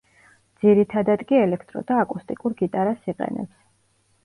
ძირითადად კი ელექტრო და აკუსტიკურ გიტარას იყენებს.